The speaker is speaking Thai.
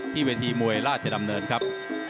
เวทีมวยราชดำเนินครับ